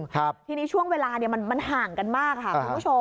ทีนี้ช่วงเวลามันห่างกันมากค่ะคุณผู้ชม